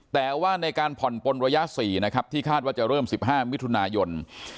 แต่ว่าในการผ่อนปนระยะ๔นะครับที่คาดว่าจะเริ่ม๑๕มิถุนายน